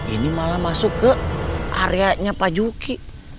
ini malah masuk ke area nya pak juki